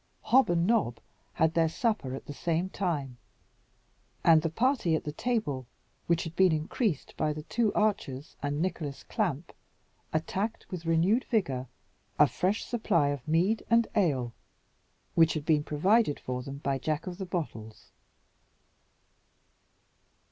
Hob and Nob had their supper at the same time, and the party at the table, which had been increased by the two archers and Nicholas Clamp, attacked with renewed vigour a fresh supply of mead and ale, which had been provided for them by Jack of the Bottles.